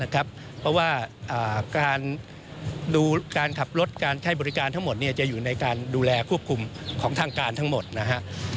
การขับรถการไข้บริการทั้งหมดจะอยู่ในการดูแลควบคุมของทางการทั้งหมดนะฮะ